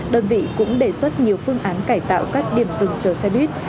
đơn vị cũng đề xuất nhiều phương án cải tạo các điểm dừng chờ xe buýt